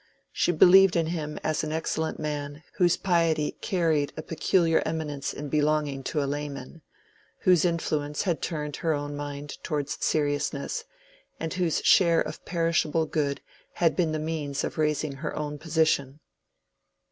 She believed in him as an excellent man whose piety carried a peculiar eminence in belonging to a layman, whose influence had turned her own mind toward seriousness, and whose share of perishable good had been the means of raising her own position.